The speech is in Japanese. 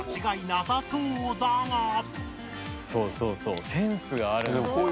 そうそうそうセンスがあるのよ